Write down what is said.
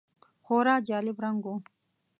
خورا جالب رنګ و .